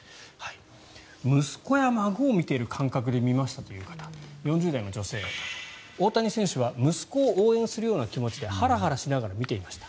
息子や孫を見ている感覚で見ましたという方４０代の女性、大谷選手は息子を応援するような気持ちでハラハラしながら見ていました